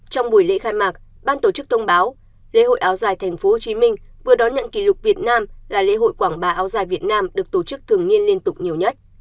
trong buổi lễ khai mạc ban tổ chức thông báo lễ hội áo dài tp hcm vừa đón nhận kỷ lục việt nam là lễ hội quảng bá áo dài việt nam được tổ chức thường niên liên tục nhiều nhất